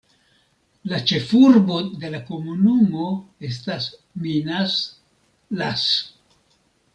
La ĉefurbo de la komunumo estas Minas, las.